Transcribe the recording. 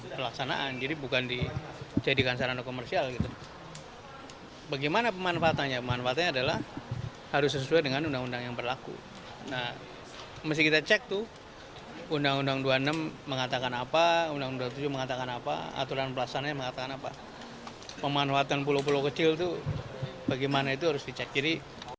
pemanfaatan pulau pulau kecil tuh bagaimana itu harus dicek kiri